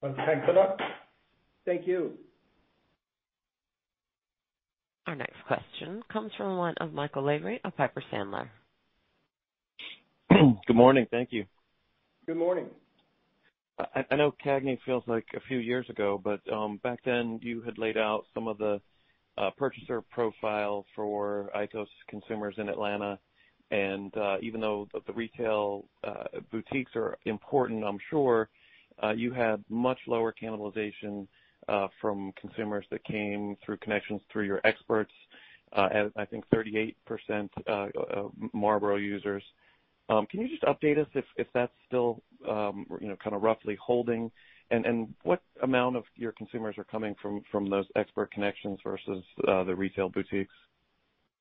Speaker 9: Well, thanks a lot.
Speaker 3: Thank you.
Speaker 1: Our next question comes from the line of Michael Lavery of Piper Sandler.
Speaker 10: Good morning. Thank you.
Speaker 3: Good morning.
Speaker 10: I know CAGNY feels like a few years ago, but back then you had laid out some of the purchaser profile for IQOS consumers in Atlanta, and even though the retail boutiques are important, I'm sure, you had much lower cannibalization from consumers that came through connections through your experts, I think 38% Marlboro users. Can you just update us if that's still roughly holding, and what amount of your consumers are coming from those expert connections versus the retail boutiques?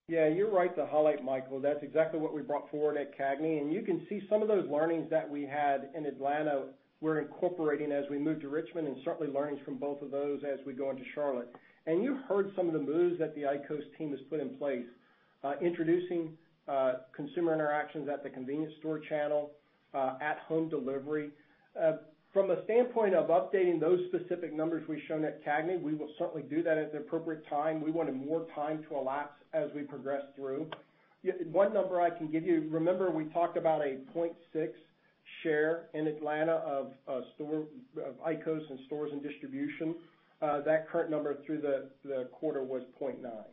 Speaker 3: Yeah, you're right to highlight, Michael. That's exactly what we brought forward at CAGNY. You can see some of those learnings that we had in Atlanta we're incorporating as we move to Richmond, and certainly learnings from both of those as we go into Charlotte. You heard some of the moves that the IQOS team has put in place, introducing consumer interactions at the convenience store channel, at home delivery. From a standpoint of updating those specific numbers we've shown at CAGNY, we will certainly do that at the appropriate time. We want more time to elapse as we progress through. One number I can give you, remember we talked about a 0.6 percentage point share in Atlanta of IQOS in stores and distribution. That current number through the quarter was 0.9 percentage point.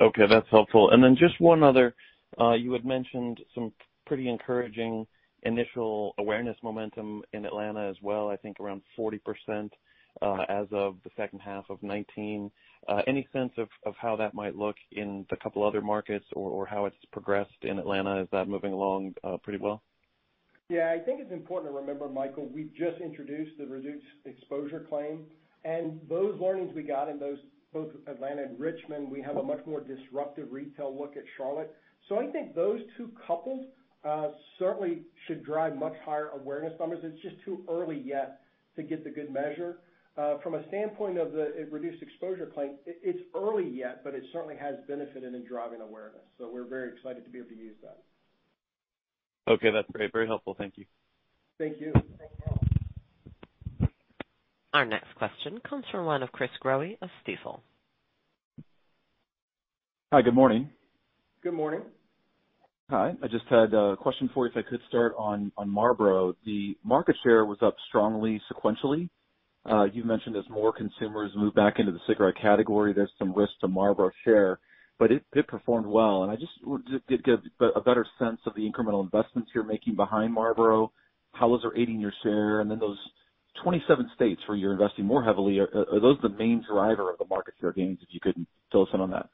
Speaker 10: Okay, that's helpful. Just one other. You had mentioned some pretty encouraging initial awareness momentum in Atlanta as well, I think around 40% as of the second half of 2019. Any sense of how that might look in the couple other markets or how it's progressed in Atlanta? Is that moving along pretty well?
Speaker 3: Yeah, I think it's important to remember, Michael, we just introduced the reduced exposure claim, and those learnings we got in both Atlanta and Richmond, we have a much more disruptive retail look at Charlotte. I think those two coupled certainly should drive much higher awareness numbers. It's just too early yet to get the good measure. From a standpoint of the reduced exposure claim, it's early yet, but it certainly has benefited in driving awareness, so we're very excited to be able to use that.
Speaker 10: Okay, that's very helpful. Thank you.
Speaker 3: Thank you.
Speaker 1: Our next question comes from the line of Chris Growe of Stifel.
Speaker 11: Hi, good morning.
Speaker 3: Good morning.
Speaker 11: Hi. I just had a question for you, if I could start on Marlboro. The market share was up strongly sequentially. You mentioned as more consumers move back into the cigarette category, there's some risk to Marlboro share, but it performed well. I just would get a better sense of the incremental investments you're making behind Marlboro. How is it aiding your share? Those 27 states where you're investing more heavily, are those the main driver of the market share gains, if you could fill us in on that?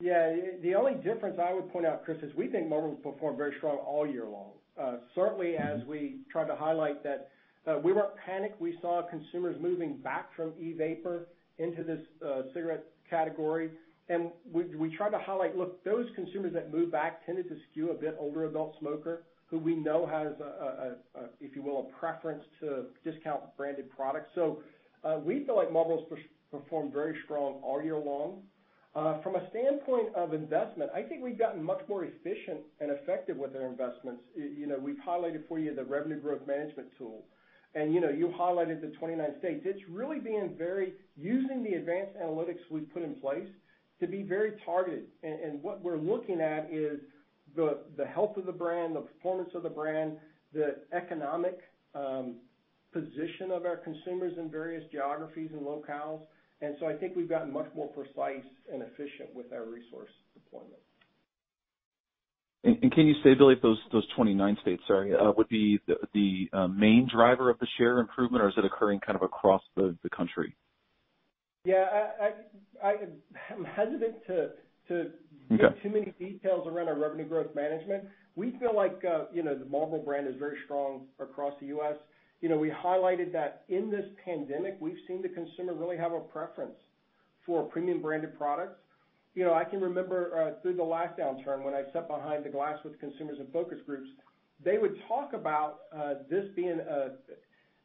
Speaker 3: Yeah. The only difference I would point out, Chris, is we think Marlboro performed very strong all year long. Certainly, as we tried to highlight that we weren't panicked, we saw consumers moving back from e-vapor into this cigarette category, and we tried to highlight, look, those consumers that moved back tended to skew a bit older adult smoker, who we know has, if you will, a preference to discount branded products. We feel like Marlboro's performed very strong all year long. From a standpoint of investment, I think we've gotten much more efficient and effective with our investments. We've highlighted for you the Revenue Growth Management tool, and you highlighted the 29 states. It's really been using the advanced analytics we've put in place to be very targeted. What we're looking at is the health of the brand, the performance of the brand, the economic position of our consumers in various geographies and locales, and so I think we've gotten much more precise and efficient with our resource deployment.
Speaker 11: Can you say, Billy, if those 29 states, sorry, would be the main driver of the share improvement, or is it occurring kind of across the country?
Speaker 3: Yeah.
Speaker 11: Okay
Speaker 3: Too many details around our revenue growth management. We feel like the Marlboro brand is very strong across the U.S. We highlighted that in this pandemic, we've seen the consumer really have a preference for premium branded products. I can remember through the lockdown term, when I sat behind the glass with consumers and focus groups, they would talk about this being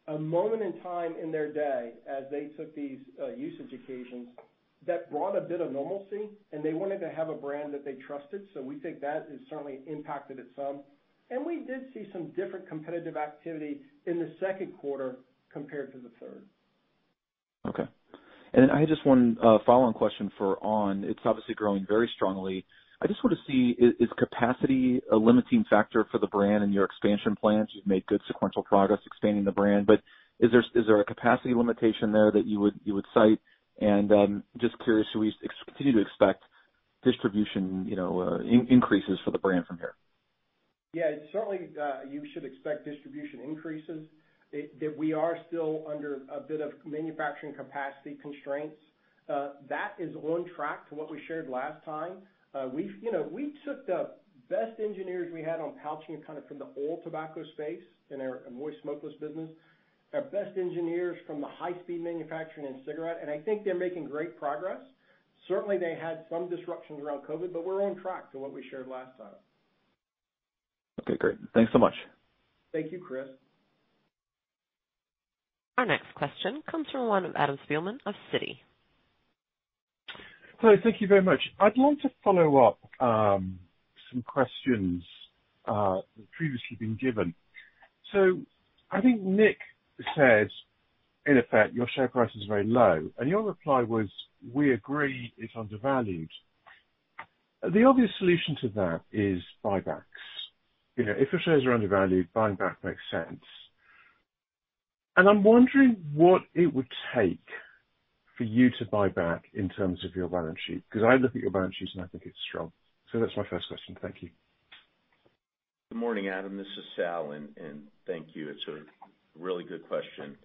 Speaker 3: a moment in time in their day as they took these usage occasions that brought a bit of normalcy, and they wanted to have a brand that they trusted. So we think that has certainly impacted it some. And we did see some different competitive activity in the second quarter compared to the third.
Speaker 11: Okay, I had just one follow-on question for on!. It's obviously growing very strongly. I just want to see, is capacity a limiting factor for the brand and your expansion plans? You've made good sequential progress expanding the brand, is there a capacity limitation there that you would cite? Just curious, should we continue to expect distribution increases for the brand from here?
Speaker 3: Yeah. Certainly, you should expect distribution increases, that we are still under a bit of manufacturing capacity constraints. That is on track to what we shared last time. We took the best engineers we had on pouching from the oral tobacco space in our moist smokeless business, our best engineers from the high-speed manufacturing and cigarette, and I think they're making great progress. Certainly, they had some disruptions around COVID, but we're on track to what we shared last time.
Speaker 11: Okay, great. Thanks so much.
Speaker 3: Thank you, Chris.
Speaker 1: Our next question comes from one of Adam Spielman of Citi.
Speaker 12: Hello, thank you very much. I'd like to follow up some questions that previously been given. I think Nik says, in effect, your share price is very low, and your reply was, "We agree it's undervalued." The obvious solution to that is buybacks. If your shares are undervalued, buyback makes sense. I'm wondering what it would take for you to buyback in terms of your balance sheet, because I look at your balance sheet and I think it's strong. That's my first question. Thank you.
Speaker 4: Good morning, Adam. This is Sal, and thank you, it's a really good question.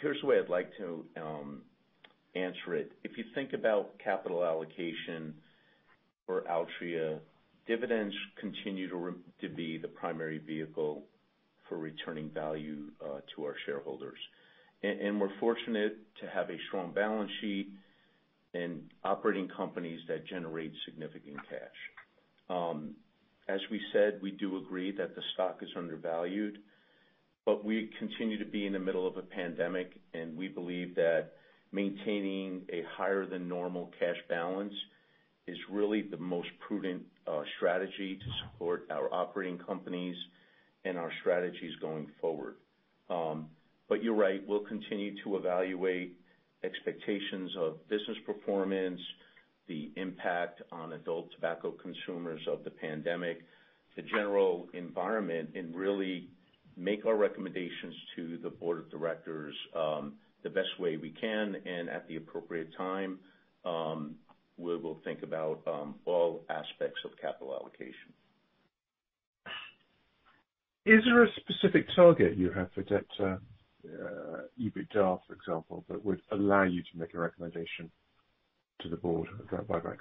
Speaker 4: Here's the way I'd like to answer it. If you think about capital allocation for Altria, dividends continue to be the primary vehicle for returning value to our shareholders. We're fortunate to have a strong balance sheet and operating companies that generate significant cash. As we said, we do agree that the stock is undervalued, but we continue to be in the middle of a pandemic, and we believe that maintaining a higher than normal cash balance is really the most prudent strategy to support our operating companies and our strategies going forward. You're right. We'll continue to evaluate expectations of business performance, the impact on adult tobacco consumers of the pandemic, the general environment, and really make our recommendations to the board of directors the best way we can and at the appropriate time, where we'll think about all aspects of capital allocation.
Speaker 12: Is there a specific target you have for debt, EBITDA, for example, that would allow you to make a recommendation to the board about buybacks?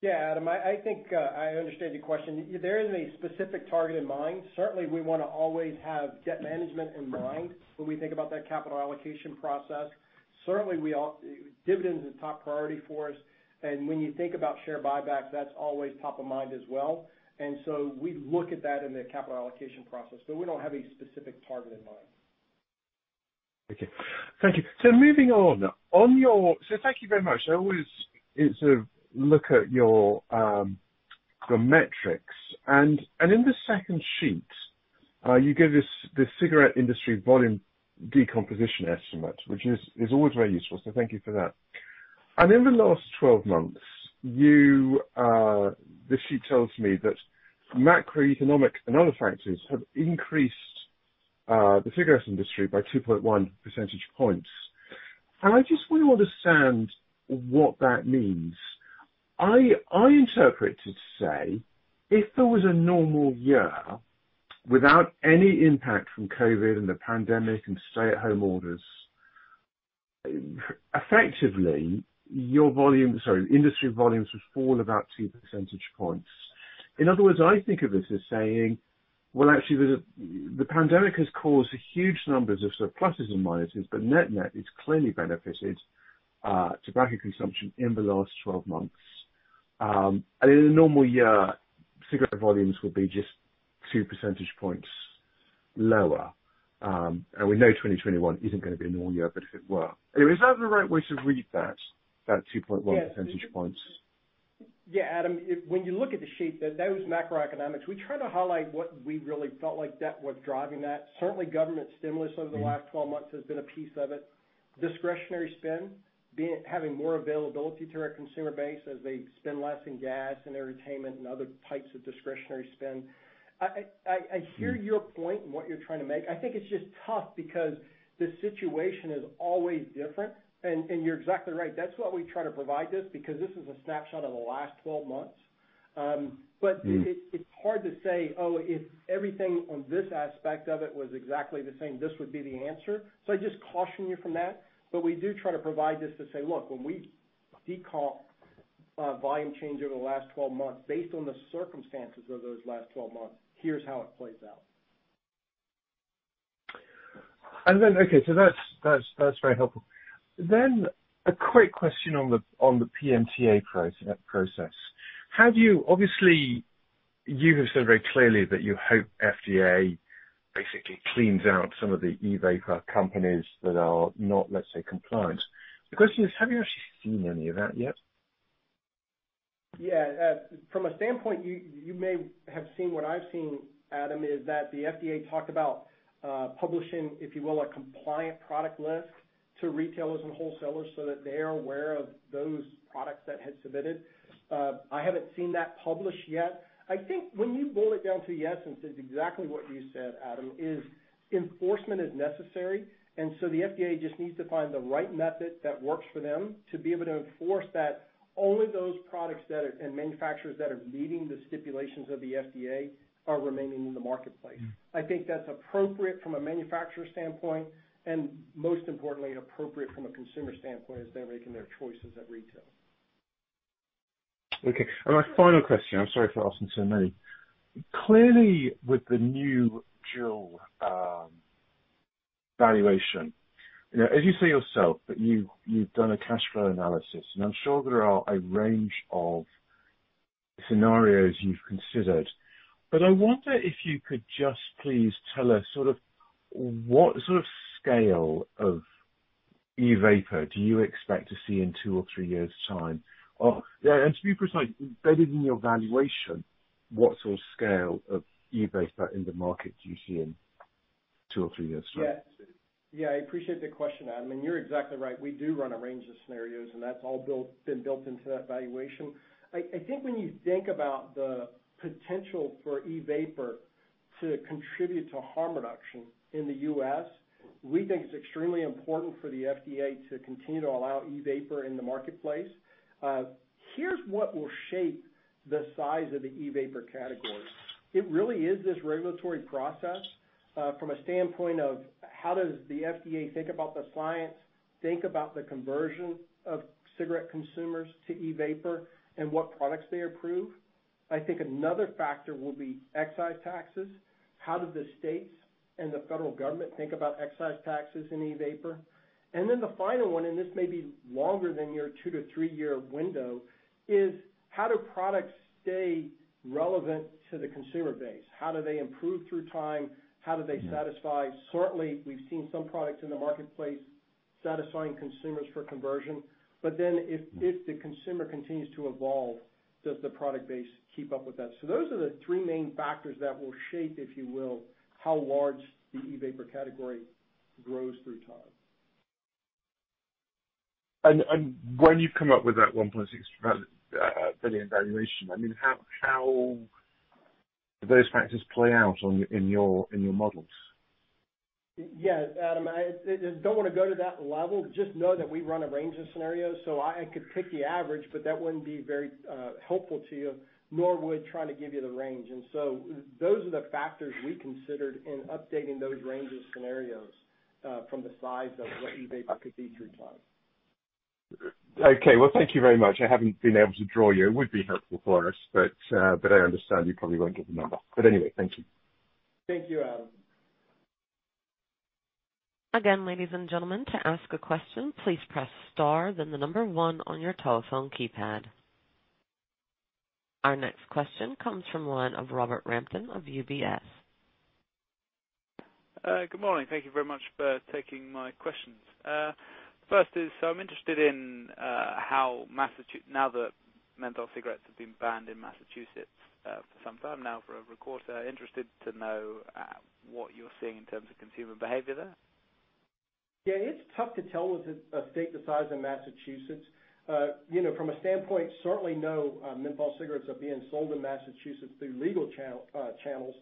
Speaker 3: Yeah, Adam, I think I understand your question. There isn't a specific target in mind. Certainly, we want to always have debt management in mind when we think about that capital allocation process. Certainly, dividend is a top priority for us. When you think about share buybacks, that's always top of mind as well. We look at that in the capital allocation process, but we don't have a specific target in mind.
Speaker 12: Okay, thank you. Moving on. Thank you very much. I always look at your metrics, and in the second sheet, you give this cigarettes industry volume decomposition estimate, which is always very useful, so thank you for that. In the last 12 months, this sheet tells me that macroeconomic and other factors have increased the cigarettes industry by 2.1 percentage points. I just want to understand what that means. I interpret it to say, if there was a normal year without any impact from COVID and the pandemic and stay-at-home orders, effectively, your volume, sorry, industry volumes would fall about 2 percentage points. In other words, I think of this as saying, well, actually, the pandemic has caused huge numbers of pluses and minuses, but net-net, it's clearly benefited tobacco consumption in the last 12 months. In a normal year, cigarette volumes would be just 2 percentage points lower. We know 2021 isn't going to be a normal year, but if it were, is that the right way to read that 2.1 percentage points?
Speaker 3: Yeah. Adam, when you look at the sheet, those macroeconomics, we try to highlight what we really felt like that was driving that. Certainly, government stimulus over the last 12 months has been a piece of it. Discretionary spend, having more availability to our consumer base as they spend less in gas and entertainment other types of discretionary spend. I hear your point and what you're trying to make. I think it's just tough because the situation is always different, and you're exactly right. That's why we try to provide this, because this is a snapshot of the last 12 months. It's hard to say, oh, if everything on this aspect of it was exactly the same, this would be the answer. I just caution you from that. We do try to provide this to say, look, when we decomp volume change over the last 12 months, based on the circumstances of those last 12 months, here's how it plays out.
Speaker 12: That's very helpful. A quick question on the PMTA process. Obviously, you have said very clearly that you hope FDA basically cleans out some of the e-vapor companies that are not, let's say, compliant. The question is, have you actually seen any of that yet?
Speaker 3: Yeah. From a standpoint, you may have seen what I've seen, Adam, is that the FDA talked about publishing, if you will, a compliant product list to retailers and wholesalers so that they are aware of those products that had submitted. I haven't seen that published yet. I think when you boil it down to the essence, it's exactly what you said, Adam, is enforcement is necessary, the FDA just needs to find the right method that works for them to be able to enforce that only those products and manufacturers that are meeting the stipulations of the FDA are remaining in the marketplace. I think that's appropriate from a manufacturer standpoint, and most importantly, appropriate from a consumer standpoint as they're making their choices at retail.
Speaker 12: Okay. My final question, I'm sorry for asking so many. Clearly, with the new JUUL valuation, as you say yourself, that you've done a cash flow analysis, and I'm sure there are a range of scenarios you've considered, but I wonder if you could just please tell us what sort of scale of e-vapor do you expect to see in two or three years' time? Oh, yeah, to be precise, embedded in your valuation, what sort of scale of e-vapor in the market do you see in two or three years' time?
Speaker 3: Yeah, I appreciate the question, Adam. You're exactly right, we do run a range of scenarios. That's all been built into that valuation. I think when you think about the potential for e-vapor to contribute to harm reduction in the U.S., we think it's extremely important for the FDA to continue to allow e-vapor in the marketplace. Here's what will shape the size of the e-vapor category. It really is this regulatory process, from a standpoint of how does the FDA think about the science, think about the conversion of cigarette consumers to e-vapor, and what products they approve. I think another factor will be excise taxes. How do the states and the federal government think about excise taxes in e-vapor? Then the final one, and this may be longer than your two to three year window, is how do products stay relevant to the consumer base? How do they improve through time? How do they satisfy? Certainly, we've seen some products in the marketplace satisfying consumers for conversion. If the consumer continues to evolve, does the product base keep up with that? Those are the three main factors that will shape, if you will, how large the e-vapor category grows through time.
Speaker 12: When you've come up with that $1.6 billion valuation, how do those factors play out in your models?
Speaker 3: Yes, Adam, I don't want to go to that level, just know that we run a range of scenarios. I could pick the average, but that wouldn't be very helpful to you, nor would trying to give you the range. Those are the factors we considered in updating those range of scenarios from the size of what e-vapor could be through time.
Speaker 12: Okay. Well, thank you very much. I haven't been able to draw you, it would be helpful for us, but I understand you probably won't give the number. Anyway, thank you.
Speaker 3: Thank you, Adam.
Speaker 1: Again ladies and gentlemen, to ask a question, please press star, then the number one on your telephone keypad. Our next question comes from the line of Robert Rampton of UBS.
Speaker 13: Good morning, thank you very much for taking my questions. First is, I'm interested in how, now that menthol cigarettes have been banned in Massachusetts for some time now, for over a quarter, interested to know what you're seeing in terms of consumer behavior there?
Speaker 3: Yeah, it's tough to tell with a state the size of Massachusetts. From a standpoint, certainly no menthol cigarettes are being sold in Massachusetts through legal channels.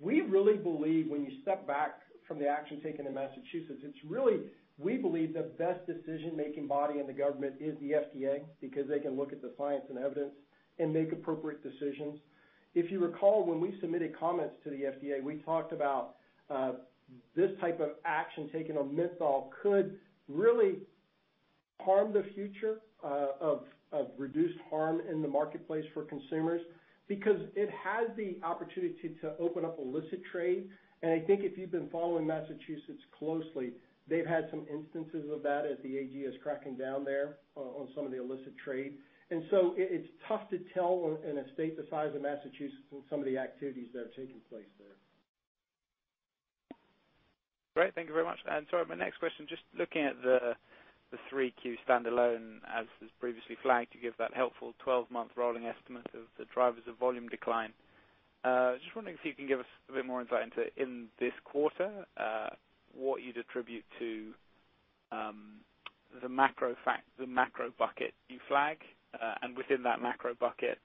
Speaker 3: We really believe when you step back from the action taken in Massachusetts, it's really, we believe, the best decision-making body in the government is the FDA because they can look at the science and evidence and make appropriate decisions. If you recall, when we submitted comments to the FDA, we talked about this type of action taken on menthol could really harm the future of reduced harm in the marketplace for consumers because it has the opportunity to open up illicit trade. I think if you've been following Massachusetts closely, they've had some instances of that as the AG is cracking down there on some of the illicit trade. It's tough to tell in a state the size of Massachusetts on some of the activities that are taking place there.
Speaker 13: Great, thank you very much. Sorry, my next question, just looking at the 3Q standalone, as was previously flagged, to give that helpful 12-month rolling estimate of the drivers of volume decline. Just wondering if you can give us a bit more insight into, in this quarter, what you'd attribute to the macro bucket you flag. Within that macro bucket,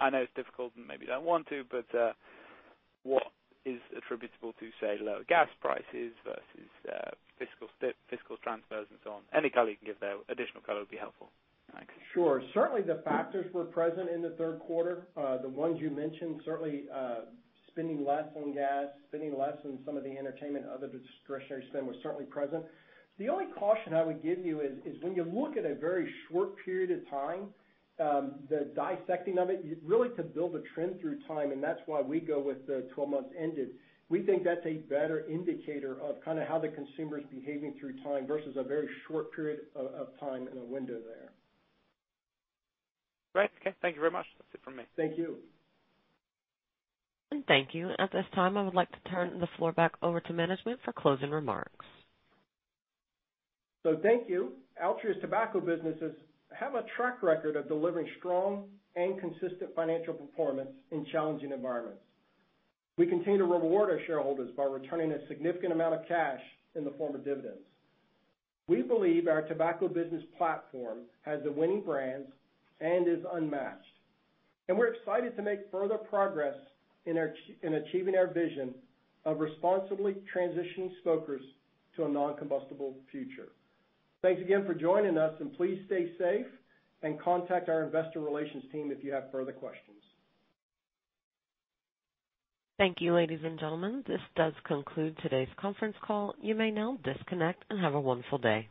Speaker 13: I know it's difficult, and maybe you don't want to, but what is attributable to, say, lower gas prices versus fiscal transfers and so on? Any color you can give there, additional color would be helpful. Thanks.
Speaker 3: Sure. Certainly, the factors were present in the third quarter. The ones you mentioned, certainly spending less on gas, spending less on some of the entertainment, other discretionary spend was certainly present. The only caution I would give you is when you look at a very short period of time, the dissecting of it, really to build a trend through time, that's why we go with the 12 months ended. We think that's a better indicator of how the consumer's behaving through time versus a very short period of time in a window there.
Speaker 13: Great. Okay, thank you very much. That's it from me.
Speaker 3: Thank you.
Speaker 1: Thank you. At this time, I would like to turn the floor back over to management for closing remarks.
Speaker 3: Thank you. Altria's tobacco businesses have a track record of delivering strong and consistent financial performance in challenging environments. We continue to reward our shareholders by returning a significant amount of cash in the form of dividends. We believe our tobacco business platform has the winning brands and is unmatched. We're excited to make further progress in achieving our vision of responsibly transitioning smokers to a non-combustible future. Thanks again for joining us, and please stay safe and contact our investor relations team if you have further questions.
Speaker 1: Thank you, ladies and gentlemen, this does conclude today's conference call. You may now disconnect, and have a wonderful day.